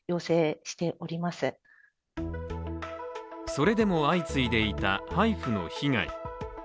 それでも相次いでいたＨＩＦＵの被害。